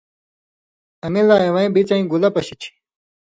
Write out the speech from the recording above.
اَمِلا اِوَیں بِڅَیں زئ گولہ پشی چھی“۔